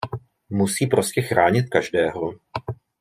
Musí prostě chránit každého.